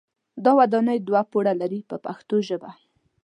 دا ودانۍ دوه پوړه لري په پښتو ژبه.